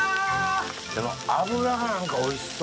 でも脂がおいしそう。